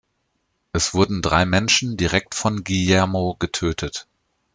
Es wurden drei Menschen direkt von Guillermo getötet.